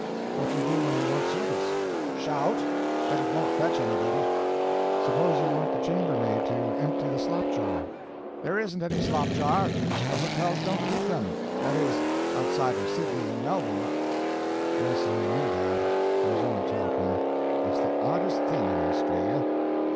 "What do you do when you want service?" "Shout. But it won't fetch anybody." "Suppose you want the chambermaid to empty the slopjar?" "There isn't any slop jar. The hotels don't keep them. That is, outside of Sydney and Melbourne." "Yes, I knew that. I was only talking. It's the oddest thing in Australia.